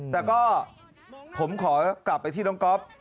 แต่ก็ผมขอกลับไปที่น้องก๊อฟ